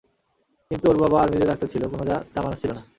কিন্তু ওর বাবা আর্মিদের ডাক্তার ছিল, কোন যা তা মানুষ ছিল না।